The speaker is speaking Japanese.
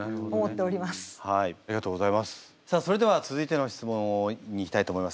さあそれでは続いての質問にいきたいと思います。